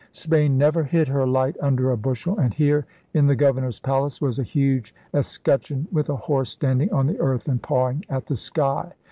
Spain never hid her light under a bushel; and here, in the Governor's Palace, was a huge escutcheon with a horse standing on the earth and pawing at the sky.